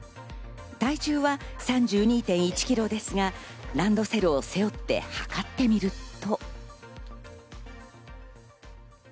体重は３２．１ｋｇですがランドセルを背負って測ってみると。